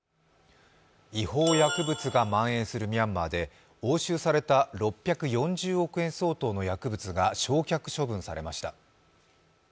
違法薬物がまん延するミャンマーで押収された６４０億円相当の薬物が焼却処分されました。